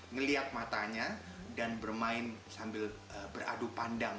melihat matanya dan bermain sambil beradu pandang